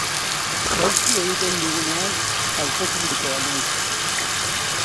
Gaizki egiten dugunean, autokritikoa naiz.